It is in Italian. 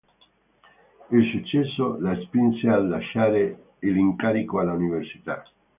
Il successo la spinse a lasciare l'incarico all'università.